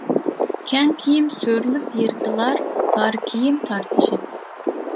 كەڭ كىيىم سۆرىلىپ يىرتىلار، تار كىيىم تارتىشىپ.